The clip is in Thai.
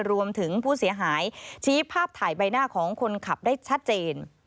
รวมถึงผู้เสียหายชี้ภาพถ่ายใบหน้าของคนขับได้ชัดเจน